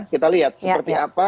kita lihat seperti apa